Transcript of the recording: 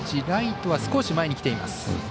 ライトは少し前に来ています。